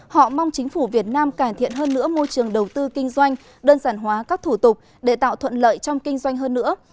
họ mong chính phủ việt nam cải thiện hơn nữa môi trường đầu tư kinh doanh đơn giản hóa các thủ tục để tạo thuận lợi trong kinh doanh hơn nữa